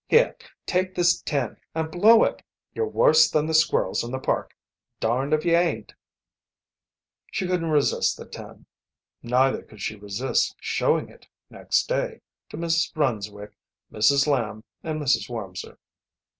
Here, take this ten and blow it. You're worse than the squirrels in the park, darned if you ain't!" She couldn't resist the ten. Neither could she resist showing it, next day, to Mrs. Brunswick, Mrs. Lamb, and Mrs. Wormser.